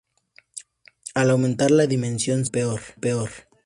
Al aumentar la dimensión, se vuelve peor.